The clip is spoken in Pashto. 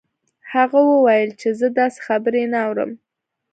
هغه وویل چې زه داسې خبرې نه اورم